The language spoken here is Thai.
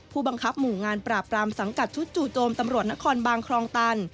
ผู้บังคับหมู่งานปราบปรามสังกัดชุดจู่โจมตำรวจนครบานคลองตัน